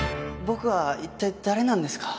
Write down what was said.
僕は一体誰なんですか？